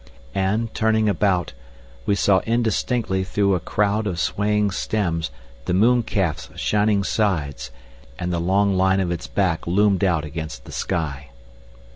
And, turning about, we saw indistinctly through a crowd of swaying stems the mooncalf's shining sides, and the long line of its back loomed out against the sky.